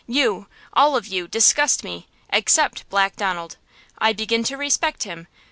You, all of you, disgust me, except Black Donald! I begin to respect him!